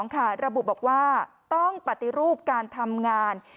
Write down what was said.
ระบุบอกว่าต้องปฏิรูปการทำงาน